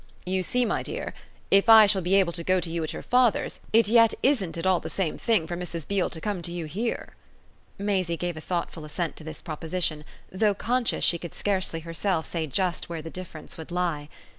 "You see, my dear, if I shall be able to go to you at your father's it yet isn't at all the same thing for Mrs. Beale to come to you here." Maisie gave a thoughtful assent to this proposition, though conscious she could scarcely herself say just where the difference would lie.